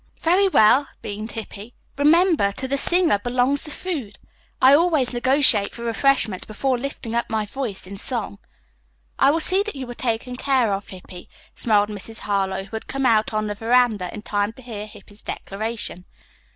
"Very well," beamed Hippy. "Remember, to the singer belongs the food. I always negotiate for refreshments before lifting up my voice in song." "I will see that you are taken care of, Hippy," smiled Mrs. Harlowe, who had come out on the veranda in time to hear Hippy's declaration.